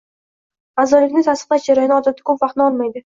A’zolikni tasdiqlash jarayoni odatda ko’p vaqtni olmaydi